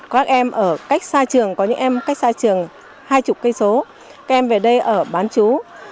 các em ở cách xa trường có những em cách xa trường hai mươi km các em về đây ở bán chú